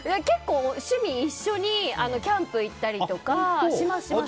結構、趣味、一緒にキャンプ行ったりとかします。